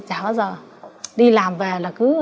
chả bao giờ đi làm về là cứ